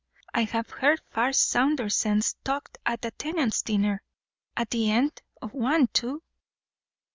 I have heard far sounder sense talked at a tenants' dinner at the end of one, too."